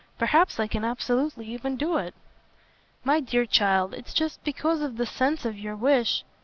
Perhaps I can absolutely even do it." "My dear child, it's just because of the sense of your wish